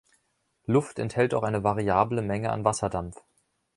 Luft enthält auch eine variable Menge an Wasserdampf.